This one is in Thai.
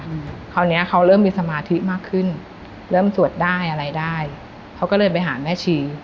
คราวเนี้ยเขาเริ่มมีสมาธิมากขึ้นเริ่มสวดได้อะไรได้เขาก็เลยไปหาแม่ชี